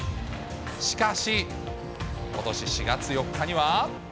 しかし、ことし４月４日には。